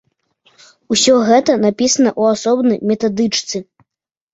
Усё гэта напісана ў асобнай метадычцы.